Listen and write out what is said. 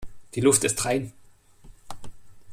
Die Luft ist rein.